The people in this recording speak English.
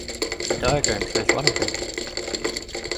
The diagram shows one of them.